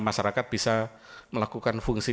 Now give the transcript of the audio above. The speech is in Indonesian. masyarakat bisa melakukan fungsi